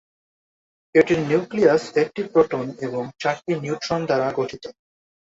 এটির নিউক্লিয়াস একটি প্রোটন এবং চারটি নিউট্রন নিয়ে গঠিত।